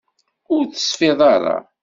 Ur tesfiḍ ara.